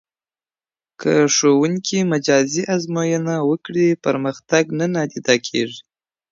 که ښوونکی مجازي ارزونه وکړي، پرمختګ نه نادیده کېږي.